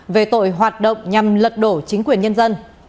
về tội hoạt động nhằm lật đổ chính quyền nhân dân